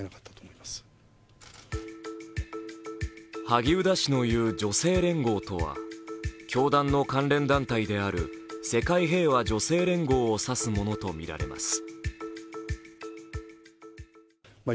萩生田氏の言う女性連合とは教団の関連団体である世界平和女性連合を指すものとみられます。